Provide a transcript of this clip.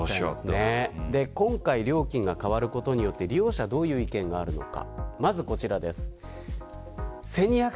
今回料金が変わることによって利用者はどういう意見があるのか。